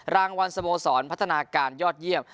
รางวัลสโมสรพัฒนาการยอดเยี่ยม